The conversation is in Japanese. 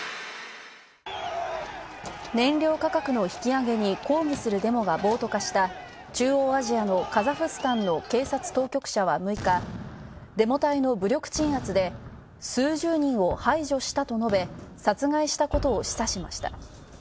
燃料価格の引き上げに抗議するデモが暴徒化した中央アジアのカザフスタンの警察当局者は６日、デモ隊の武力鎮圧で数十人を排除したと述べ、殺害したことを示唆しました。